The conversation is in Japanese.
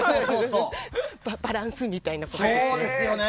バランスみたいなことですよね。